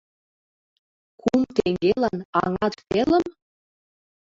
Кум теҥгелан аҥат пелым?